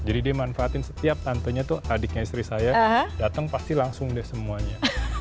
jadi dia manfaatin setiap tantenya tuh adiknya istri saya datang pasti langsung deh semuanya